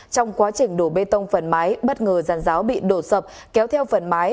trong quá trình đổ bê tông phần mái bất ngờ giàn giáo bị đổ sập kéo theo phần mái